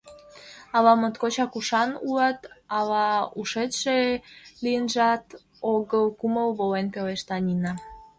— Ала моткочак ушан улат, ала ушетше лийынжат огыл, — кумыл волен пелешта Нина.